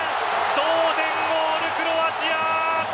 同点ゴール、クロアチア。